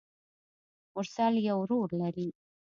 مرسل يو ورور لري.